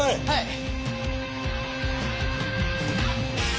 はい？